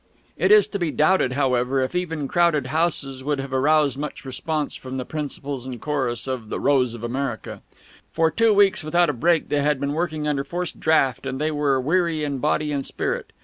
It is to be doubted, however, if even crowded houses would have aroused much response from the principals and chorus of "The Rose of America." For two weeks without a break they had been working under forced draught, and they were weary in body and spirit.